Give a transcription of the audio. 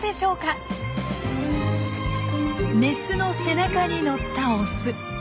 メスの背中に乗ったオス。